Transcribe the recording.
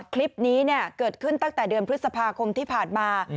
คลิปนี้เกิดขึ้นตั้งแต่เดือนพฤษภาคมที่ผ่านมา